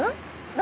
何？